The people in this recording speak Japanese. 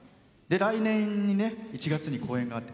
来年１月に公演があって。